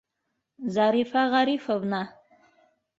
-Зарифа Ғарифовна!